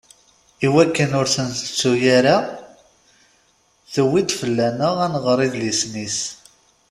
Iwakken ur t-ntettu ara, tuwi-d fell-aneɣ ad nɣer idlisen-is.